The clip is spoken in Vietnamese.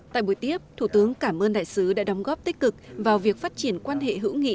tại buổi tiếp thủ tướng cảm ơn đại sứ đã đóng góp tích cực vào việc phát triển quan hệ hữu nghị